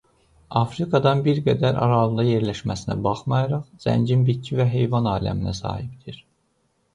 Afrikadan bir qədər aralıda yerləşməsinə baxmayaraq zəngin bitki və heyvanlar aləminə sahibdir.